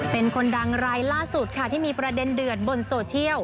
เป็นคนดังรายล่าสุดค่ะที่มีประเด็นเดือดบนโซเชียล